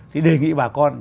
thì đề nghị bà con